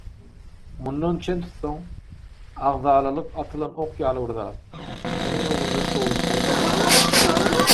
Mundan çen tutsaň, agzalalyk atylan ok ýaly bir zat, onuň öňünden sowulyp bolmaýar.